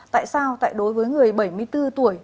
tại sao đối với người bảy mươi bốn tuổi